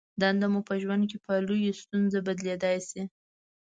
دنده مو په ژوند کې په لویې ستونزه بدلېدای شي.